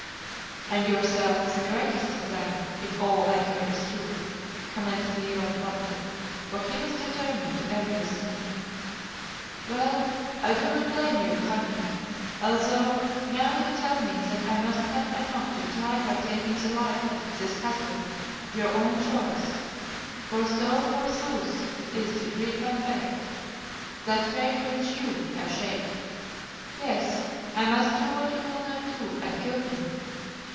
"And yourself, the greatest of them, if all I hear is true," commented Leo bluntly, for he was determined to end this thing. "Well, I do not blame you, Khania, although now you tell me that I must cut a knot you tied by taking the life of this husband of your own choice, for so forsooth it is decreed by fate, that fate which you have shaped. Yes, I must do what you will not do, and kill him.